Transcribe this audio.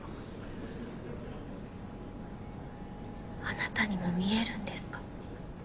あなたにも見えるんですか？